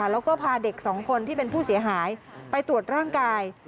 แล้วก็พาเด็กสองคนที่เป็นผู้เสียหายไปตรวจร่างกาย